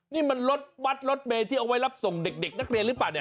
นี่มันรถบัตรรถเมย์ที่เอาไว้รับส่งเด็กนักเรียนหรือเปล่าเนี่ย